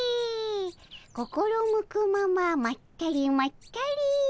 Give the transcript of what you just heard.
心向くまままったりまったり」。